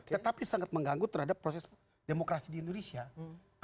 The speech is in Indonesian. tetapi sangat mengganggu terhadap proses demokrasi di indonesia